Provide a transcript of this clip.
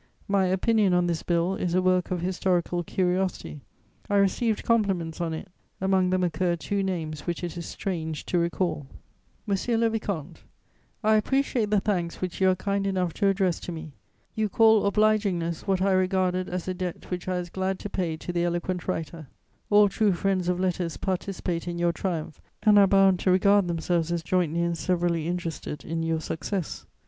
My Opinion on this bill is a work of historical curiosity; I received compliments on it; among them occur two names which it is strange to recall: "MONSIEUR LE VICOMTE, "I appreciate the thanks which you are kind enough to address to me. You call obligingness what I regarded as a debt which I was glad to pay to the eloquent writer. All true friends of letters participate in your triumph and are bound to regard themselves as jointly and severally interested in your success.